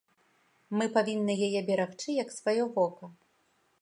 Мы павінны яе берагчы як сваё вока.